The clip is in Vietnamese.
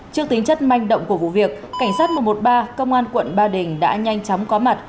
trước tính chất manh động của vụ việc cảnh sát một trăm một mươi ba công an quận ba đình đã nhanh chóng có mặt